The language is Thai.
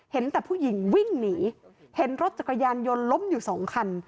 เห็นแต่ผู้หญิงวิ่งหนีเห็นรถจักรยานยนต์ล้มอยู่สองคัน